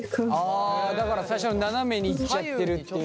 あだから最初斜めに行っちゃってるっていうのがね。